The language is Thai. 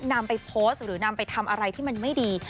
นำไปโพสต์หรือนำไปทำอะไรที่มันไม่ดี